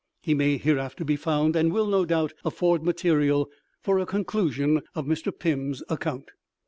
He may hereafter be found, and will, no doubt, afford material for a conclusion of Mr. Pym's account.